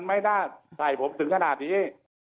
ไม่น่าใส่ผมถึงขนาดนี้